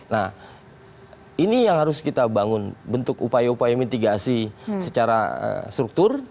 nah ini yang harus kita bangun bentuk upaya upaya mitigasi secara struktur